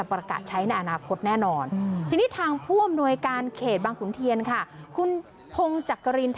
เพื่อรับรองว่าทั้งคู่นั้นเป็นคู่รักการ